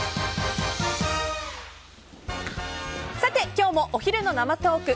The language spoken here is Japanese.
今日もお昼の生トーク。